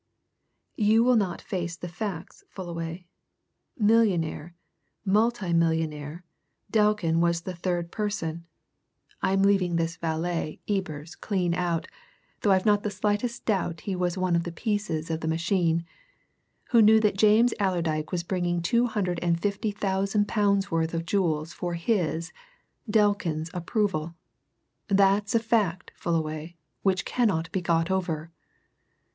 "You will not face the facts, Fullaway. Millionaire, multimillionaire, Delkin was the third person (I'm leaving this valet, Ebers, clean out, though I've not the slightest doubt he was one of the pieces of the machine) who knew that James Allerdyke was bringing two hundred and fifty thousand pounds' worth of jewels for his, Delkin's approval! That's a fact, Fullaway, which cannot be got over."